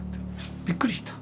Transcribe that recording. びっくりした。